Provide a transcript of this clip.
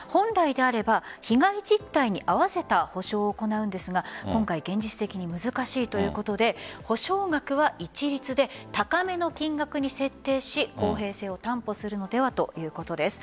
本来であれば被害実態に合わせた補償を行うんですが今回現実的に難しいということで補償額は一律で高めの金額に設定し公平性を担保するのではということです。